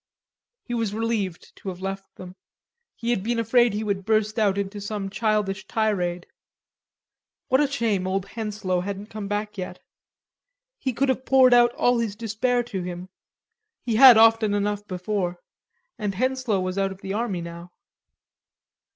He was relieved to have left them. He had been afraid he would burst out into some childish tirade. What a shame old Henslowe hadn't come back yet. He could have poured out all his despair to him; he had often enough before; and Henslowe was out of the army now.